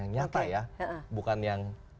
yang nyata ya bukan yang